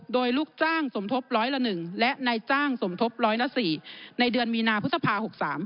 โดยลูกจ้างสมทบร้อยละ๑และนายจ้างสมทบร้อยละ๔ในเดือนมีนาพฤษภา๖๓